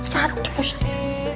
satu pak ustadz